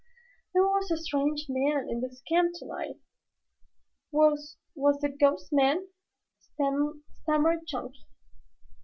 "There was a strange man in this camp tonight." "Was was he the ghost man?" stammered Chunky.